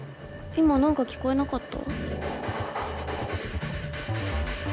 今なんか聞こえなかった？